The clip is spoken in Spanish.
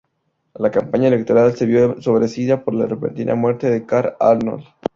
La campaña electoral se vio ensombrecida por la repentina muerte de Karl Arnold.